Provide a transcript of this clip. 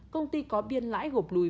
công ty có biên lãi gụp lùi